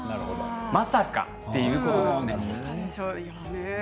まさかということですね。